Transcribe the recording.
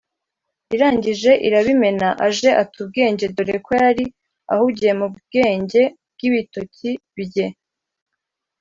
irangije irabimena, aje ata ubwenge dore ko yari ahugiye mu bwenge bw’ibitoki bye.